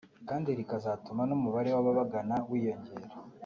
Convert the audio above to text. kandi rikazatuma n’ umubare w’ababagana wiyongera